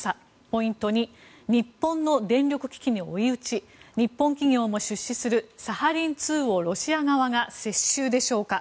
ポイント２日本の電力危機に追い打ち日本企業も出資するサハリン２をロシア側が接収でしょうか。